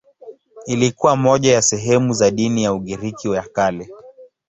Ilikuwa moja ya sehemu za dini ya Ugiriki ya Kale.